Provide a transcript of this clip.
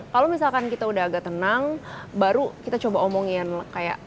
kalau misalkan kita udah agak tenang baru kita coba omongin kayak